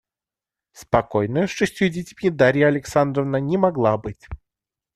Спокойною с шестью детьми Дарья Александровна не могла быть.